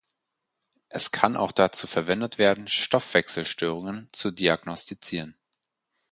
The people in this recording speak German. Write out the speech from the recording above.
Es kann auch dazu verwendet werden Stoffwechselstörungen zu diagnostizieren.